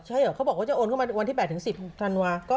ใช่เหรอเขาบอกว่าจะโอนเข้ามาวันที่๘๑๐ธันวาคม